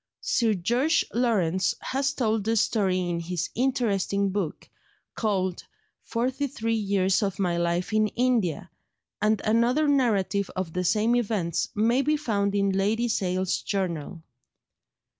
Sir George Lawrence has told the story in his interesting book called Forty three Years of my Life in India, and another narrative of the same events may be found in Lady Sale's Journal.